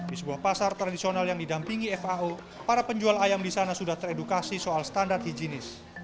di sebuah pasar tradisional yang didampingi fao para penjual ayam di sana sudah teredukasi soal standar hijinis